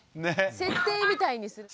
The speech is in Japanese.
設定みたいにする。